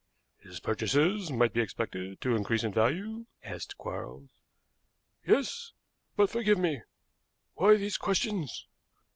"His purchases might be expected to increase in value?" asked Quarles. "Yes; but, forgive me, why these questions?"